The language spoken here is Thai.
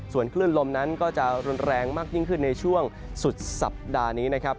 ส่วนคลื่นลมนั้นก็จะรุนแรงมากยิ่งขึ้นในช่วงสุดสัปดาห์นี้นะครับ